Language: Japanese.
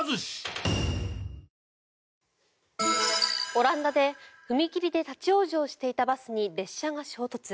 オランダで踏切で立ち往生していたバスに列車が衝突。